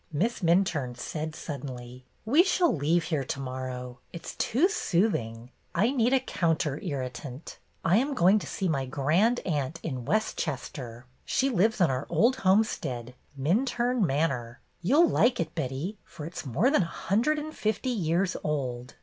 Miss Minturne said suddenly: "We shall leave here to morrow. It 's too soothing. I need a counter irritant. I am going to see my grandaunt in Westchester. She lives on our old homestead, Minturne Manor. You 'll like it, Betty, for it 's more than a hundred and fifty years old."